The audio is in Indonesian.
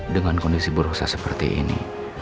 dengan kondisi berusaha seperti ini